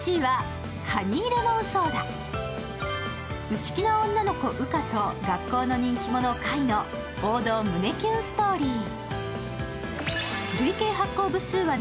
内気な女の子・羽花と学校の人気者・界の王道胸キュンストーリー。